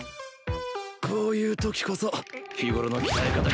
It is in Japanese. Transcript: こういうときこそ日頃の鍛え方がものを